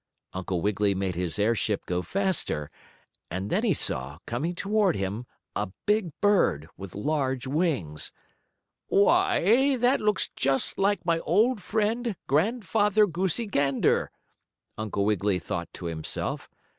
Uncle Wiggily made his airship go faster, and then he saw, coming toward him, a big bird, with large wings. "Why, that looks just like my old friend, Grandfather Goosey Gander," Uncle Wiggily thought to himself.